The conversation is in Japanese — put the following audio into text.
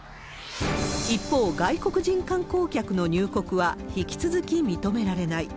一方、外国人観光客の入国は引き続き認められない。